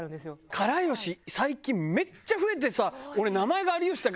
から好し最近めっちゃ増えてさ。